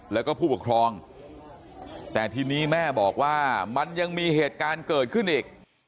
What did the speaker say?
แล้วก็ผู้ปกครองแต่ทีนี้แม่บอกว่ามันยังมีเหตุการณ์เกิดขึ้นอีก